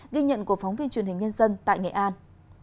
ghi nhận của phóng viên truyền hình nhân dân tại nghệ an